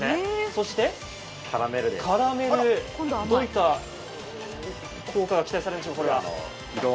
そして、カラメル、どういった効果が期待されるんでしょうか。